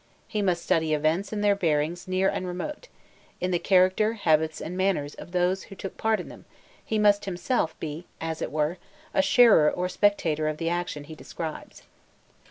He must study events in their bearings near and remote; in the character, habits, and manners of those who took part in them, he must himself be, as it were, a sharer or a spectator of the action he describes.